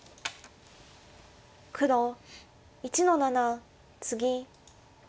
黒１の七ツギ。